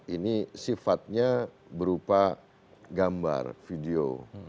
ini sifatnya berupa gambar video